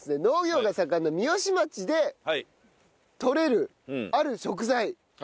農業が盛んな三芳町でとれるある食材。